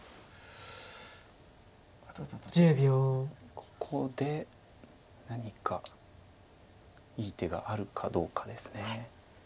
ここで何かいい手があるかどうかです。